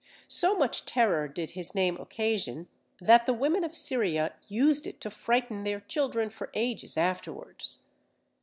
So much terror did his name occasion, that the women of Syria used it to frighten their children for ages afterwards.